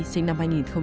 sinh năm hai nghìn sáu